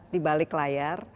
di balik layar